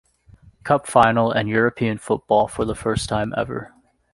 Cup final and European football for the first time ever.